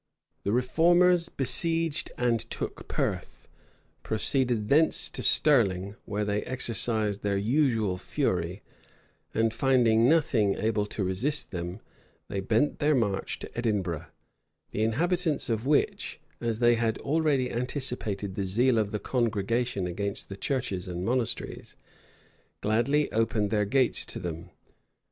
The reformers besieged and took Perth; proceeded thence to Stirling, where they exercised their usual fury; and finding nothing able to resist them, they bent their march to Edinburgh, the inhabitants of which, as they had already anticipated the zeal of the congregation against the churches and monasteries, gladly opened their gates to them.